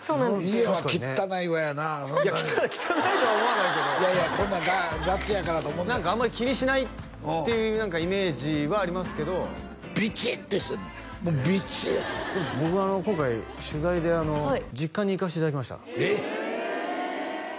家は汚いわやないや汚いとは思わないけどいやいやこんなん雑やからと思うねんあんまり気にしないっていう何かイメージはありますけどびちってしてるもうびちって僕今回取材で実家に行かせていただきましたえっ！？